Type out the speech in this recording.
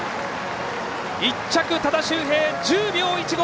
１着、多田修平、１０秒１５。